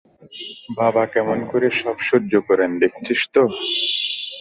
বাবা কেমন করে সব সহ্য করেন দেখেছিস তো?